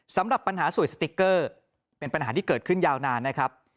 สำหรับปัญหาสวยสติ๊กเกอร์เป็นปัญหาที่เกิดขึ้นยาวนานนะครับ